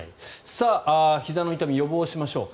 ひざの痛み、予防しましょう。